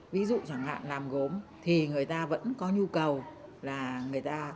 ví dụ chẳng hạn làm gốm thì người ta vẫn có nhu cầu là người ta